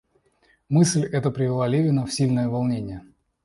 Мысль эта привела Левина в сильное волнение.